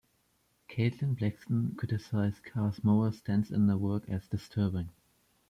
Caitlin Blaxton criticized Carr's moral stance in the work as "disturbing".